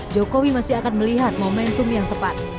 jokowi masih akan melihat momentum yang tepat